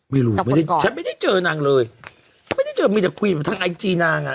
ไม่รู้ไม่ได้เจอนางเลยไม่ได้เจอมีแต่คุยกับทางไอจีนางอ่ะ